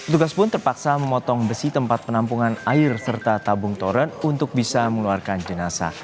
tugas pun terpaksa memotong besi tempat penampungan air serta tabung toren untuk bisa mengeluarkan jenazah